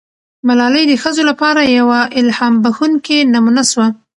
ملالۍ د ښځو لپاره یوه الهام بښونکې نمونه سوه.